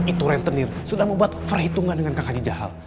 itu rentenir sedang membuat perhitungan dengan kang haji jahal